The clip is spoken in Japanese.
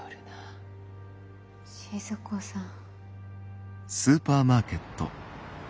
静子さん。